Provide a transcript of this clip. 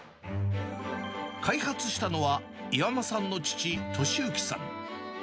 開発したのは、岩間さんの父、としゆきさん。